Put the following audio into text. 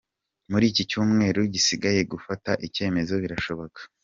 Muri iki cyumweru gisigaye gufata icyemezo birashoboka.